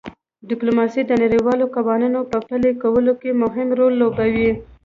ډیپلوماسي د نړیوالو قوانینو په پلي کولو کې مهم رول لوبوي